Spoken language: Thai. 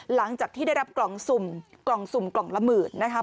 หลังจากที่ได้รับกล่องสุ่มกล่องสุ่มกล่องละหมื่นนะคะ